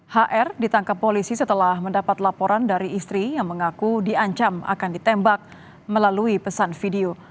hr ditangkap polisi setelah mendapat laporan dari istri yang mengaku diancam akan ditembak melalui pesan video